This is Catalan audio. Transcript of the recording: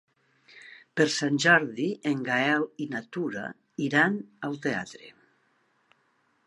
Per Sant Jordi en Gaël i na Tura iran al teatre.